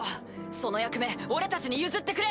その役目俺たちに譲ってくれ！